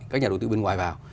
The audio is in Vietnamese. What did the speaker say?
các nhà đầu tư bên ngoài vào